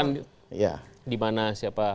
ini akan dimana siapa